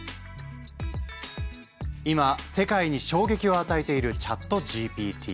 今世界に衝撃を与えているＣｈａｔＧＰＴ。